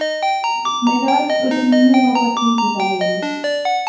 mekat kotinye kabotik kibagenge